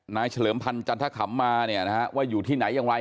นายเฉลิมพันธุ์จันทคำมาว่าอยู่ที่ไหนยังไง